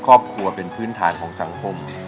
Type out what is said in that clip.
ครอบครัวเป็นพื้นฐานของสังคม